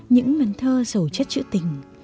những ngân thơ dầu chất chữ tình